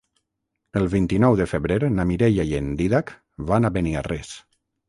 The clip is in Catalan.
El vint-i-nou de febrer na Mireia i en Dídac van a Beniarrés.